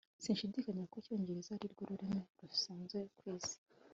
sinshidikanya ko icyongereza arirwo rurimi rusanzwe ku isi